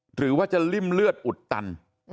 หรือว่าจะริ่มเลือดอุดตัน